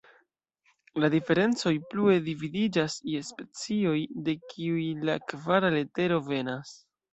La Diferencoj plue dividiĝas je "Specioj", de kiuj la kvara letero venas.